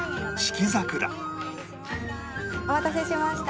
お待たせしました。